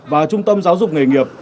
và trung tâm giáo dục nghề nghiệp